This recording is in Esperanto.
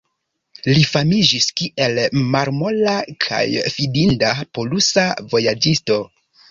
Li famiĝis kiel malmola kaj fidinda polusa vojaĝisto.